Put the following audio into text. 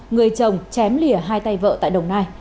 người chồng chém lìa hai tay vợ tại đồng nai